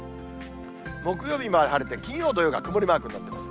木曜日まで晴れて、金曜、土曜が曇りマークになってます。